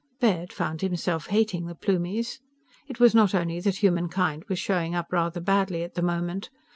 _" Baird found himself hating the Plumies. It was not only that humankind was showing up rather badly, at the moment.